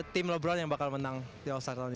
tim lebron yang bakal menang di all star tahun ini